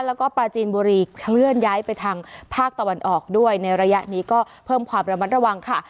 แล้วก็ปลาจีนบุรีเคลื่อนย้ายไปทางภาคตะวันออกด้วยในระยะนี้ก็เพิ่มความระมัดระวังค่ะ